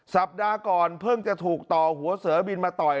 สัปดาห์ก่อนเพิ่งจะถูกต่อหัวเสือบินมาต่อย